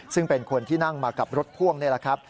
ซึ่งเป็นคนที่นั่งมากับรถพ่วงนี่แหละครับ